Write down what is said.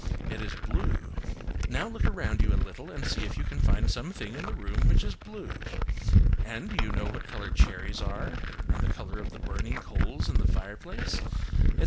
It is blue. Now look around you a little and see if you can find some thing in the room which is blue. And do you know what colour cherries are, and the colour of the burning coals in the fireplace, etc.